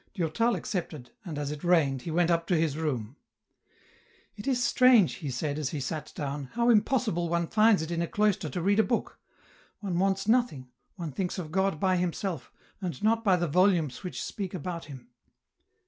Durtal accepted, and as it rained, he went up to his room. " It is strange," he said, as he sat down, " how impossible one finds it in a cloister to read a book ; one wants nothing, one thinks of God by Himself, and not by the volumes which speak about Him."